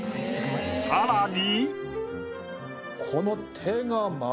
さらに。